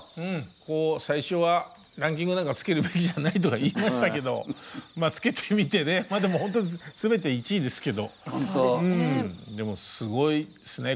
こう最初はランキングなんかつけるべきじゃないとか言いましたけどまあつけてみてねでもほんと全て１位ですけどでもすごいっすね。